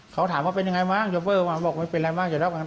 เขาถามว่าเป็นยังไงบ้างเจ้าเฟอร์มาบอกว่าไม่เป็นไรบ้าง